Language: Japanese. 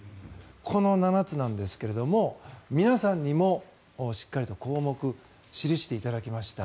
この７つなんですが皆さんにもしっかりと項目を記していただきました。